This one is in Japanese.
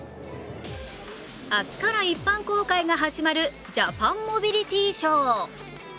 明日から一般公開が始まるジャパンモビリティーショー。